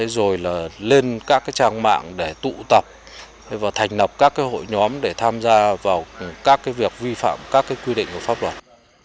rồi là lên các trang mạng để tụ tập và thành lập các hội nhóm để tham gia vào các việc vi phạm các quy định của pháp luật